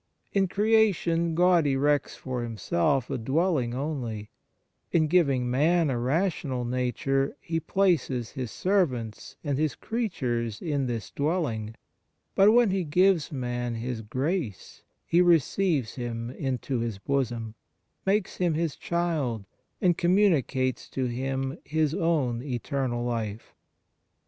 In creation God erects for Himself a dwelling only ; in giving man a rational nature He places His servants and His creatures in this dwelling, but when He gives man His grace He receives Him into His bosom, makes him His child, and communicates to him His own eternal life.